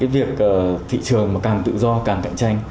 việc thị trường càng tự do càng cạnh tranh